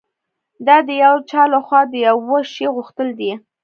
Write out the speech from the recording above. دا د یو چا لهخوا د یوه شي غوښتل دي